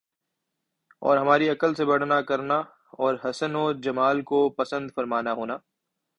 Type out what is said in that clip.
اور ہماری عقل سے بڑھنا کرنا اور حسن و جمال کو پسند فرمانا ہونا